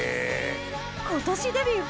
今年デビュー